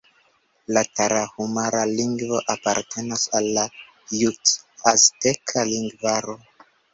La tarahumara-lingvo apartenas al la jut-azteka lingvaro.